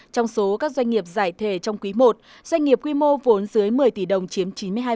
trong số các doanh nghiệp giải thể trong quý i doanh nghiệp quy mô vốn dưới một mươi tỷ đồng chiếm chín mươi hai